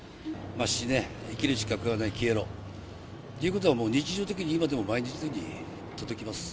死ね、生きる資格がない、消えろっていうことは、日常的に今でも毎日のように届きます。